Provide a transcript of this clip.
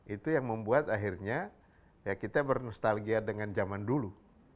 itu yang membuat akhirnya ya kita bernostalgia dengan zaman dulu